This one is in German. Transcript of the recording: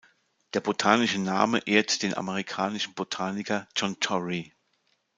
Der botanische Name ehrt den amerikanischen Botaniker John Torrey.